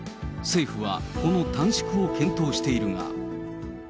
政府はこの短縮を検討しているが。